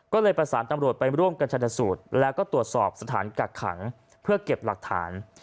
ก็เลยประสานตำรวจไปร่วมกันชนสูตรแล้วก็ตรวจสอบสถานกักขังเพื่อเก็บหลักฐาน